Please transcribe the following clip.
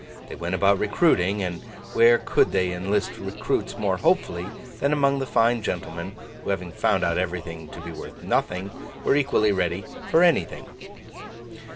They went about recruiting; and where could they enlist recruits more hopefully, than among the fine gentlemen who, having found out everything to be worth nothing, were equally ready for anything?